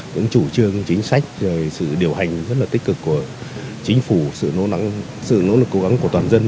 những chủ trương chính sách sự điều hành rất là tích cực của chính phủ sự nỗ lực cố gắng của toàn dân